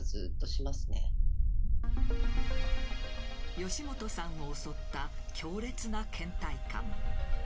善本さんを襲った強烈な倦怠感。